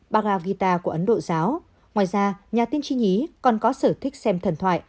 baga gita của ấn độ giáo ngoài ra nhà tiên tri nhí còn có sở thích xem thần thoại